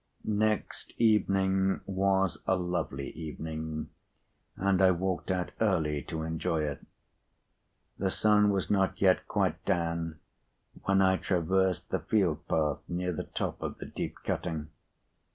Next evening was a lovely evening, and I walked out early to enjoy it. The sun was not yet quite down when I traversed the field path near the top of the deep cutting.